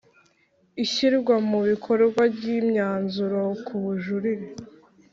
Ishyirwa mu bikorwa ry imyanzuro ku bujurire